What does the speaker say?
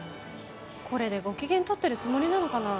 これでご機嫌取ってるつもりなのかな？